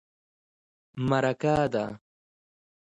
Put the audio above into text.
_مرکه ده.